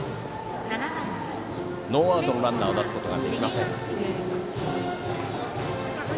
ノーアウトのランナーを出すことができません。